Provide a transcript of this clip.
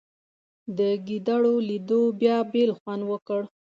د ګېډړو لیدو بیا بېل خوند وکړ.